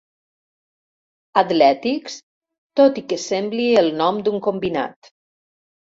Atlètics, tot i que sembli el nom d'un combinat.